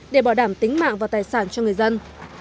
để bảo đảm tính mạng và tài sản cho người dân